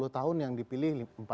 lima puluh tahun yang dipilih